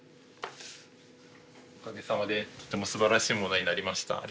おかげさまでとてもすばらしいものになりました。